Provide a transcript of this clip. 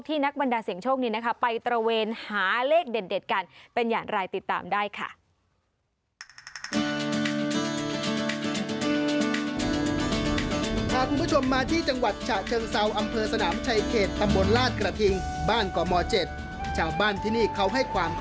ที่นักบรรดาเสี่ยงโชคนี้ไปตระเวนหาเลขเด่นกัน